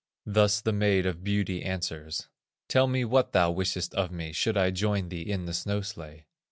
Thus the Maid of Beauty answers: "Tell me what thou wishest of me, Should I join thee in the snow sledge."